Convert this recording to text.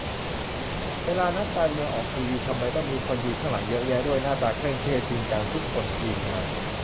เวลานักการเมืองออกทีวี ทำไมต้องมีคนยืนข้างหลังเยอะแยะด้วย หน้าตาเคร่งเครียดจริงจังทุกคน ทีมงาน ?